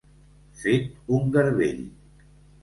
Fet un garbell.